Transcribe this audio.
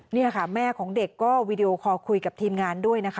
นี่ค่ะแม่ของเด็กก็วีดีโอคอลคุยกับทีมงานด้วยนะคะ